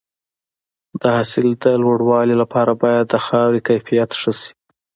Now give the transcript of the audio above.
د حاصل د لوړوالي لپاره باید د خاورې کیفیت ښه شي.